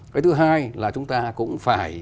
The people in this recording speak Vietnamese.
cái thứ hai là chúng ta cũng phải